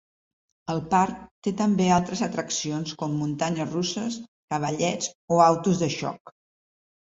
El parc té també altres atraccions com muntanyes russes, cavallets o autos de xoc.